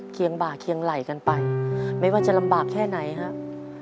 บ่าเคียงไหล่กันไปไม่ว่าจะลำบากแค่ไหนครับ